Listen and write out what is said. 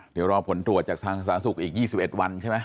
เดี๋ยวรอผลตรวจจากทางสาธารณสุขอีก๒๑วันใช่ไหม